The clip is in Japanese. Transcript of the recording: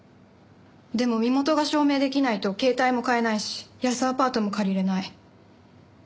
でも身元が証明できないと携帯も買えないし安アパートも借りられない。